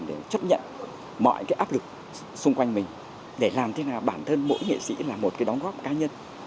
để chấp nhận mọi cái áp lực xung quanh mình để làm thế nào bản thân mỗi nghệ sĩ là một cái đóng góp cá nhân